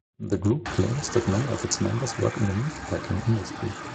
The group claims that many of its members work in the meat-packing industry.